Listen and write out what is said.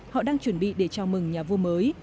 họ đang chuẩn bị để chào mừng nhà vua mới